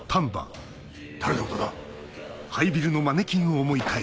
誰のことだ？